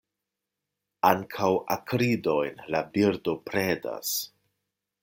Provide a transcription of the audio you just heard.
Ankaŭ akridojn la birdo predas.